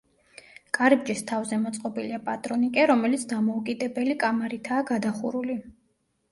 კარიბჭის თავზე მოწყობილია პატრონიკე, რომელიც დამოუკიდებელი კამარითაა გადახურული.